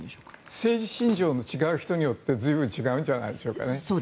政治信条の違う人によって随分違うんじゃないでしょうか。